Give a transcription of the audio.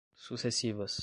sucessivas